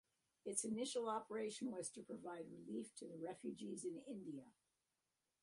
Its initial operation was to provide relief to the refugees in India.